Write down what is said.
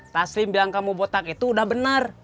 taslim bilang kamu botak itu udah benar